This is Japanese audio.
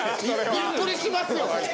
びっくりしますよ相手。